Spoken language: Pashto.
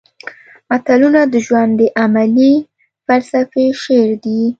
متلونه د ژوند د عملي فلسفې شعر دي